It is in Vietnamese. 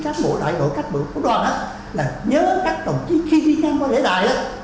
thì cán bộ đại đội các bộ quốc đoàn là nhớ các đồng chí khi đi ngang qua lễ đài